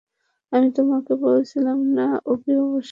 আমি তোমাকে বলেছিলাম না অভি অবশ্যই আসবে?